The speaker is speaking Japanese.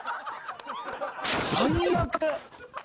最悪。